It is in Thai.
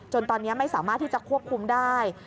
ตอนนี้ไม่สามารถที่จะควบคุมได้